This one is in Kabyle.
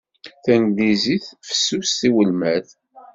Tanglizit fessuset i welmad.